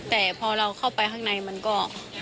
แต่พอเราเข้าไปข้างในมันก็